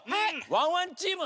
ワンワンチーム！